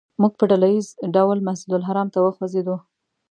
موږ په ډله ییز ډول مسجدالحرام ته وخوځېدو.